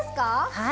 はい。